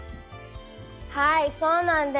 はい、そうなんです。